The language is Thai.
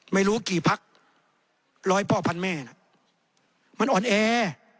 ไม่รู้กี่พักร้อยพ่อพันแม่น่ะมันอ่อนแอ